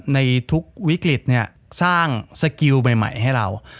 ในทุกวิกฤตเนี่ยสร้างสกิลใหม่ให้เรา